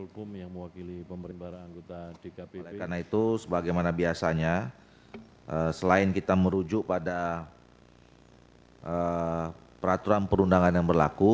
karena itu sebagaimana biasanya selain kita merujuk pada peraturan perundangan yang berlaku